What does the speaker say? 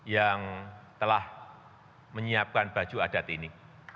yang telah menyiapkan baju adat ini